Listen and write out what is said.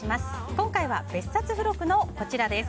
今回は別冊付録のこちらです。